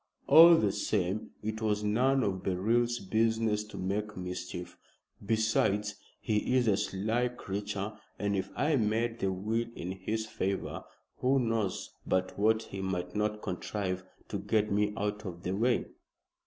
All the same it was none of Beryl's business to make mischief. Besides, he is a sly creature, and if I made the will in his favor, who knows but what he might not contrive to get me out of the way?"